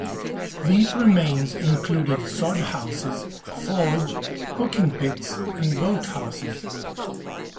These remains included sod houses, a forge, cooking pits and boathouses.